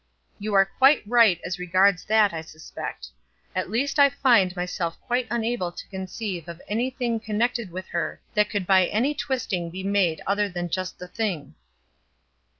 "You are quite right as regards that, I suspect. At least I find myself quite unable to conceive of any thing connected with her that could by any twisting be made other than just the thing."